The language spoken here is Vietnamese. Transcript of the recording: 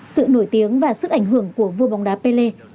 sự nổi tiếng và sức ảnh hưởng của vua bóng đá pele đã lan tỏa khắp thế giới